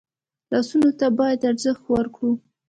لاسونه ته باید ارزښت ورکړو